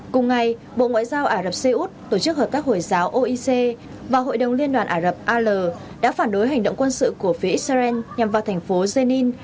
cùng ngày bộ ngoại giao ả rập xê út tổ chức hợp tác hồi giáo oic và hội đồng liên đoàn ả rập al đã phản đối hành động quân sự của phía israel nhằm vào thành phố jenin